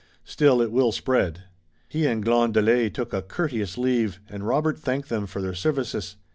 Still, it will spread." He and Glandelet took a courteous leave, and Robert thanked them for their services.